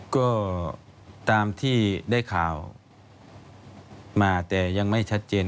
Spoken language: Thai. ก็ตามที่ได้ข่าวมาแต่ยังไม่ชัดเจน